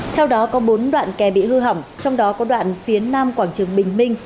theo đó có bốn đoạn kè bị hư hỏng trong đó có đoạn phía nam quảng trường bình minh